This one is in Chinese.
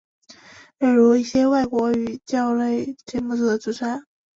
例如一些外国语教育类节目的主持人。